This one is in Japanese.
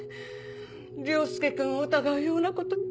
凌介君を疑うようなこと。